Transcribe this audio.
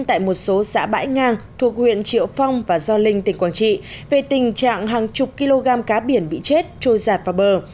thuộc huyện triệu phong và gio linh tỉnh quảng trị về tình trạng hàng chục kg cá biển bị chết trôi giạt vào bờ